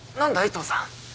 父さん。